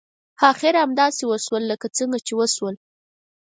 اخر همداسې وشول لکه څنګه چې وشول.